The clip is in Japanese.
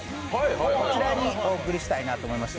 こちらにお送りしたいなと思いまして。